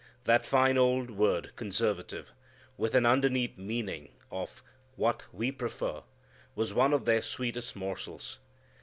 That fine old word conservative (with an underneath meaning of "what we prefer") was one of their sweetest morsels.